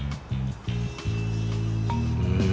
うん。